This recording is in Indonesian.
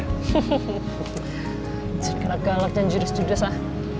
anjur gila gala jangan judes judes lah